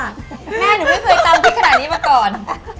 แม่หนูไม่เคยตำพริกขนาดนี้มาก่อน